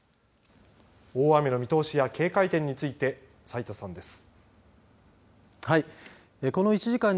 大雨の見通しや警戒点について斉田さんです。